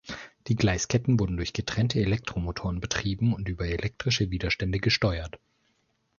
Die Gleisketten wurden durch getrennte Elektromotoren betrieben und über elektrische Widerstände gesteuert.